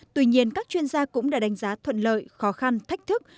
tuy nhiên các chuyên gia cũng đã đánh giá thuận lợi khó khăn thách thức